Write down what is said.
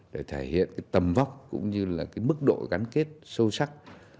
để thể hiện tầm vóc cũng như mức độ gắn kết sâu sắc